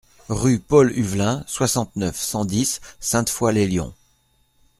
Rue Paul Huvelin, soixante-neuf, cent dix Sainte-Foy-lès-Lyon